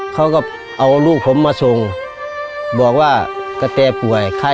เขาก็เอาลูกผมมาส่งบอกว่ากระแตป่วยไข้